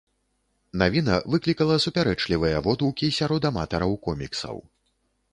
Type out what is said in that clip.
Навіна выклікала супярэчлівыя водгукі сярод аматараў коміксаў.